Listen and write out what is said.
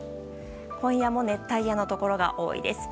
今夜も熱帯夜のところが多いです。